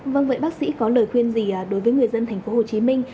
vâng vậy bác sĩ có lời khuyên gì đối với người dân thành phố hồ chí minh